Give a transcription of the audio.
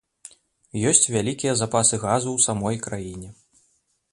Ёсць вялікія запасы газу ў самой краіне.